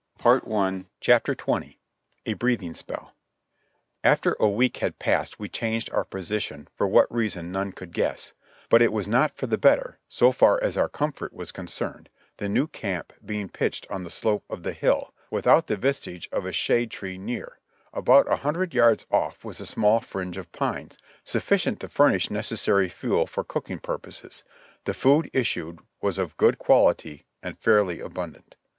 A BRKATHING SPELIv. After a week had passed we changed our position, for what reason none could guess; but it was not for the better, so far as our comfort was concerned, the new camp being pitched on the slope of the hill, without the vestige of a shade tree near; about a hundred yards off was a small fringe of pines, sufficient to furnish necessary fuel for cooking purposes ; the food issued was of good quality and fairly abundant.